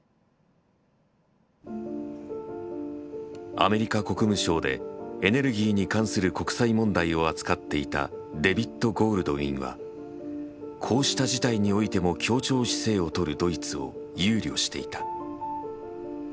アメリカ国務省でエネルギーに関する国際問題を扱っていたデヴィッド・ゴールドウィンはこうした事態においても協調姿勢を取るドイツを憂慮していた。